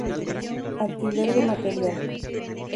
Alquiler de material.